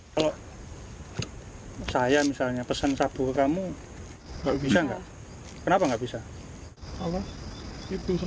kalau saya misalnya pesan sabu ke kamu nggak bisa nggak